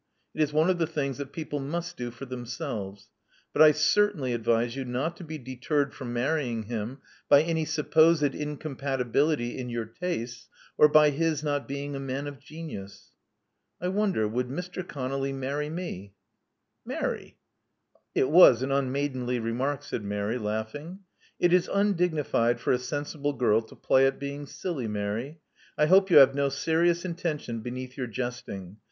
It is one of the things that people must do for themselves. But I certainly advise you not to be deterred from marrying him by any supposed incompatibility in your tastes, or by his not being a man of genius. " I wonder would Mr. ConoUy marry me." •*Mary!" It was an unmaidenly remark," said Mary, laughing. *'It is undignified for a sensible girl to play at being silly, Mary. I hope yqu have no serious intention beneath your jesting.